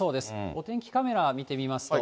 お天気カメラ見てみますと。